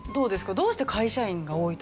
どうして会社員が多いと？